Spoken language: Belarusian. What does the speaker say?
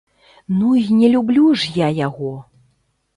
Ну і не люблю ж я яго!